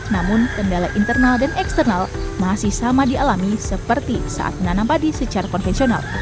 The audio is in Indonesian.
namun kendala internal dan eksternal masih sama dialami seperti saat menanam padi secara konvensional